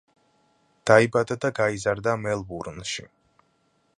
დაიბადა და გაიზარდა მელბურნში.